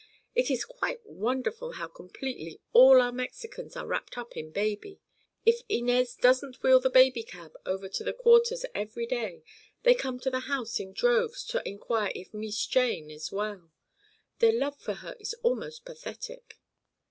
It is quite wonderful how completely all our Mexicans are wrapped up in baby. If Inez doesn't wheel the baby cab over to the quarters every day, they come to the house in droves to inquire if 'Mees Jane' is well. Their love for her is almost pathetic."